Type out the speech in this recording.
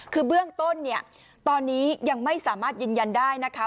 คือเบื้องต้นเนี่ยตอนนี้ยังไม่สามารถยืนยันได้นะคะ